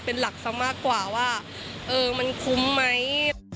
เป็นหลักซะมากกว่าว่ามันคุ้มไหม